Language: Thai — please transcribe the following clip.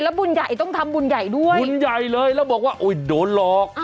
บุญใหญ่ต้องทำบุญใหญ่ด้วยบุญใหญ่เลยแล้วบอกว่าโอ้ยโดนหลอก